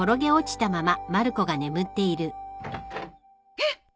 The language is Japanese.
えっ！